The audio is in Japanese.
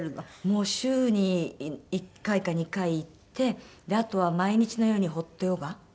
もう週に１回か２回行ってあとは毎日のようにホットヨガ。